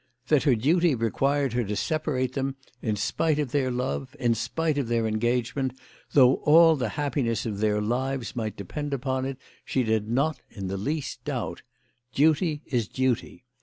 That her duty required her to separate them, in spite of their love, in spite of their engagement, though all the happiness of their lives might depend upon it, she did not in the least doubt. Duty is duty.